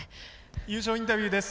優勝インタビューです。